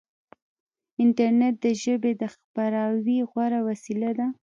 انټرنیټ د ژبې د خپراوي غوره وسیله ده.